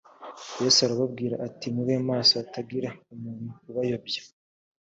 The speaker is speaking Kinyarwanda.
yesu arababwira ati mube maso hatagira umuntu ubayobya